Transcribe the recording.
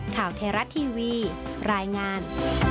ข่าวเทราะห์ทีวีรายงาน